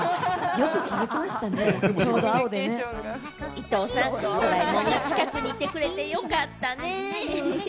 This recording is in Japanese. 伊藤さん、近くにいてくれてよかったね。